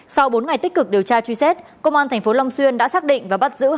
sau bốn ngày tích cực điều tra truy xét công an tp long xuyên đã xác định và bắt giữ